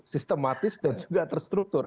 sistematis dan juga terstruktur